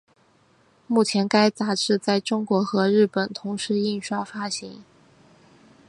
目前该杂志在中国和日本同时印刷发行。